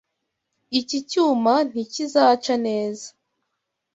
Iki cyuma ntikizaca neza.